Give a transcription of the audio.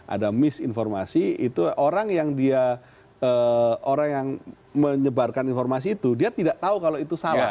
ada misinformasi itu orang yang dia orang yang menyebarkan informasi itu dia tidak tahu kalau itu salah